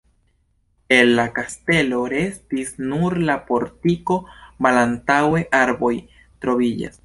El la kastelo restis nur la portiko, malantaŭe arboj troviĝas.